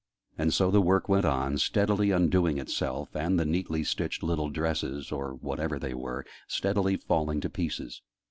And so the work went on, steadily undoing itself, and the neatly stitched little dresses, or whatever they were, steadily falling to pieces.